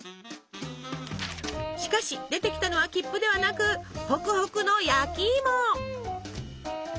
しかし出てきたのは切符ではなくホクホクの焼きいも！